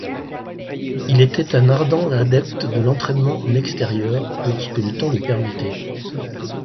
Il était un ardent adepte de l'entraînement en extérieur lorsque le temps le permettait.